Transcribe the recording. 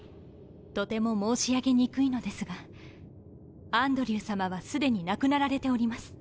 とても申し上げにくいのですがアンドリューさまは既に亡くなられております。